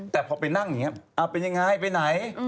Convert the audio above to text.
แต่พอไปนั่งอย่างนี้เป็นยังไงไปไหน